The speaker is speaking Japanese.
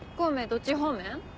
どっち方面？